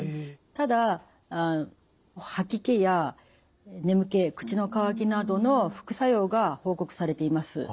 ただ吐き気や眠気口の渇きなどの副作用が報告されています。